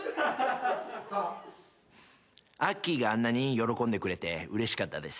あっきーがあんなに喜んでくれてうれしかったです。